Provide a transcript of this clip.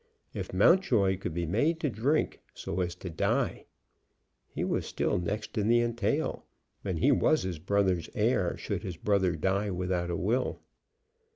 If Mountjoy could be made to drink so as to die! He was still next in the entail; and he was his brother's heir should his brother die without a will.